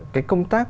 cái công tác